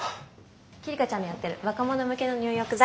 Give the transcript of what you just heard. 希梨香ちゃんのやってる若者向けの入浴剤。